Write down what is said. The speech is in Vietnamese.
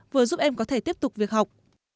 vừa giúp em có thể tiếp tục việc học